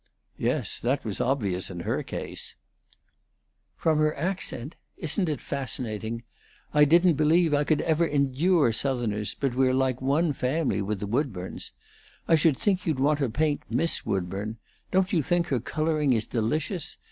"Yes, that was obvious in her case." "From her accent? Isn't it fascinating? I didn't believe I could ever endure Southerners, but we're like one family with the Woodburns. I should think you'd want to paint Miss Woodburn. Don't you think her coloring is delicious?